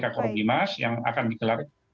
kakor bimas yang akan dikelar